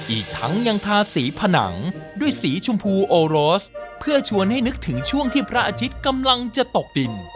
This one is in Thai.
อีกทั้งยังทาสีผนังด้วยสีชมพูโอโรสเพื่อชวนให้นึกถึงช่วงที่พระอาทิตย์กำลังจะตกดิน